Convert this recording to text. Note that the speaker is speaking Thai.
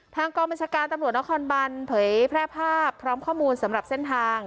ทางกองบัญชาการตำรวจนครบันเผยแพร่ภาพพร้อมข้อมูลสำหรับเส้นทาง